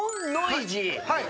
はい。